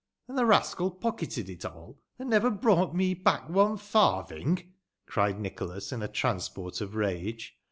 " And the rascal pocketed it all, and never brought me back otie farthing," cried Nicholas, in a transport of rage.